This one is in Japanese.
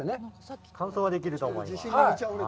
完走はできると思います。